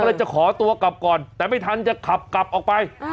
ก็เลยจะขอตัวกลับก่อนแต่ไม่ทันจะขับกลับออกไป